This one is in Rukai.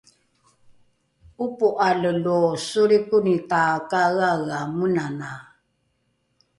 ’opo’ale lo solrikoni takaeaea menanae